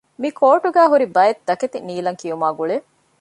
މިކޯޓުގައި ހުރި ބައެއްތަކެތި ނީލަންކިޔުމާގުޅޭ